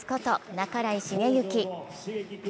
半井重幸。